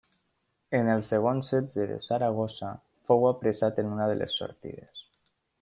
En el segon setge de Saragossa fou apressat en una de les sortides.